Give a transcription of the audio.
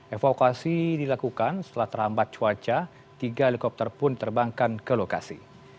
evakuasi dilakukan setelah terhambat cuaca tiga helikopter pun diterbangkan ke lokasi